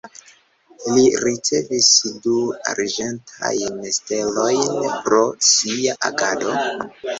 Li ricevis du Arĝentajn Stelojn pro sia agado.